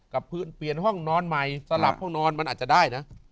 กับพื้นเปลี่ยนห้องนอนใหม่สลับห้องนอนมันอาจจะได้นะ